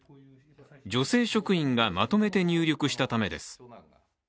女性職員がまとめて入力したためです。